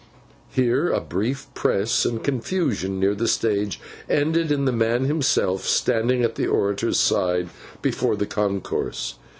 Here, a brief press and confusion near the stage, ended in the man himself standing at the orator's side before the concourse.